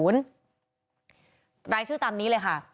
รายชื่อตามนี้เลยค่ะ